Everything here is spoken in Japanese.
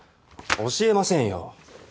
教えませんよ。